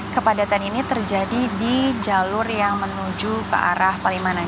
kepadatan ini terjadi di jalur yang menuju ke arah palimanan